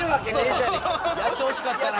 やってほしかったな。